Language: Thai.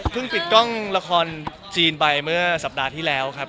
เพิ่งปลือกล้องราคาจีนไปเมื่อสัปดาห์ที่แล้วครับ